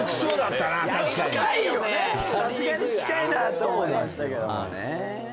さすがに近いなって思いましたけどもね